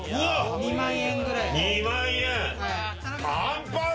２万円。